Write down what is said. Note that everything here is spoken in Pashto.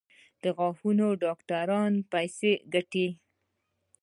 د غاښونو ډاکټران پیسې ګټي؟